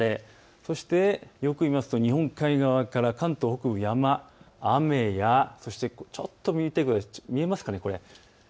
そしてよく見ると日本海側から関東北部、山、雨、ちょっと見えますか。